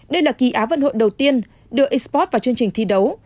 đây là kỳ á vận hội đầu tiên đưa expot vào chương trình thi đấu